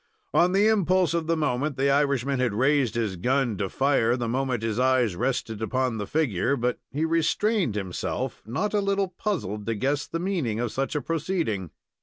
On the impulse of the moment, the Irishman had raised his gun to fire the moment his eyes rested upon the figure. But he restrained himself, not a little puzzled to guess the meaning of such a proceeding.